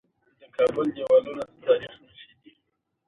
د کابل دیوالونه د تاریخ نښې دي